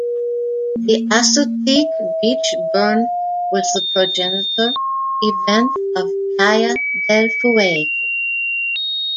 The Assateague Beach Burn was the progenitor event of Playa Del Fuego.